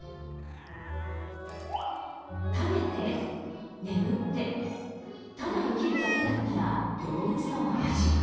食べて眠ってただ生きるだけだったら動物と同じ。